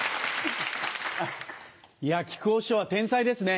いや木久扇師匠は天才ですね。